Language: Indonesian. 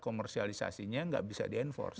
komersialisasinya nggak bisa di enforce